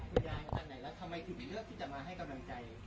คุณยายมาไหนแล้วทำไมถึงเลือกที่จะมาให้กำลังใจ